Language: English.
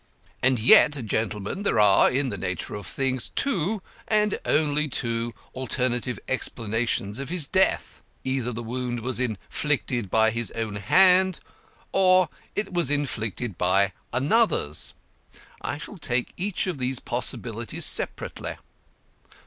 And yet, gentlemen, there are, in the nature of things, two and only two alternative explanations of his death. Either the wound was inflicted by his own hand, or it was inflicted by another's. I shall take each of these possibilities separately.